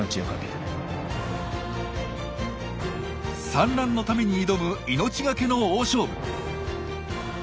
産卵のために挑む命懸けの大勝負。